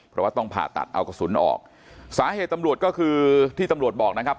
เพราะว่าต้องผ่าตัดเอากระสุนออกสาเหตุตำรวจก็คือที่ตำรวจบอกนะครับ